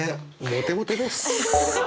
モテモテです。